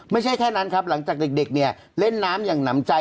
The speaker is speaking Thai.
ไม่ใช่แค่นั้นครับหลังจากเด็กเนี่ยเล่นน้ำอย่างหนำใจ